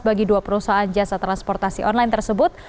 bagi dua perusahaan jasa transportasi online tersebut